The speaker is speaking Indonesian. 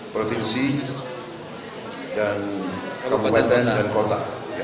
provinsi dan kabupaten dan kota